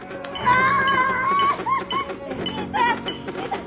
ああ！